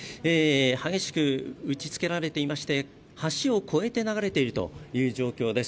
激しく打ちつけられていまして橋を越えて流れているという状況です。